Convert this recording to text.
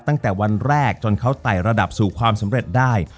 ตั้งแต่วันแรกจนเขาไต่ระดับสู่ความสำเร็จได้